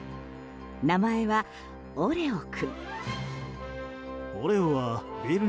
名前はオレオ君。